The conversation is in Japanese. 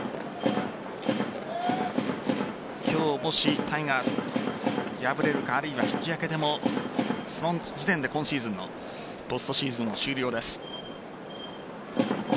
今日もし、タイガース敗れるかあるいは引き分けてもその時点で今シーズンのポストシーズンは終了です。